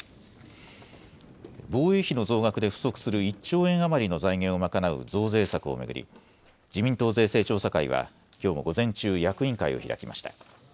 防衛費の増額で不足する１兆円余りの財源を賄う増税策を巡り自民党税制調査会はきょうも午前中、役員会を開きました。